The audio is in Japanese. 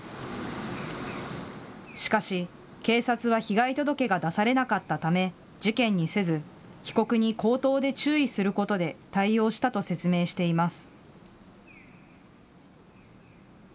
しかし、警察は被害届が出されなかったため、事件にせず被告に口頭で注意することで対応したと説明しています。